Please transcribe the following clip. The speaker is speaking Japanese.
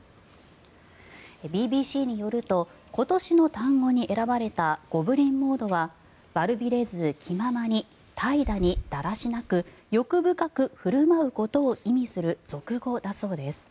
ＢＢＣによると今年の単語に選ばれたゴブリン・モードは悪びれず気ままに怠惰にだらしなく欲深く振る舞うことを意味する俗語だそうです。